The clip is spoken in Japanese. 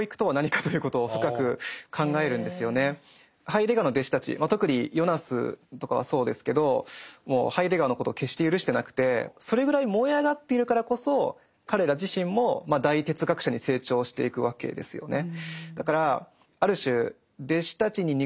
ハイデガーの弟子たち特にヨナスとかはそうですけどもうハイデガーのことを決して許してなくてそれぐらい燃え上がっているからこそ彼ら自身も大哲学者に成長していくわけですよね。